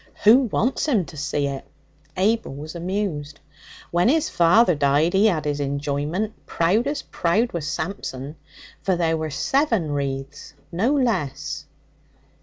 'Who wants him to see it?' Abel was amused. 'When his father died he 'ad his enjoyment proud as proud was Samson, for there were seven wreaths, no less.'